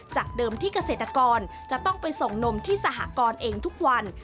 จากเดิมที่เกษตรกรจะต้องไปส่งนมที่สหกรณ์เองทุกวัน